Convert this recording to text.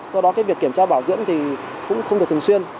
do đó cái việc kiểm tra bảo dưỡng thì cũng không được thường xuyên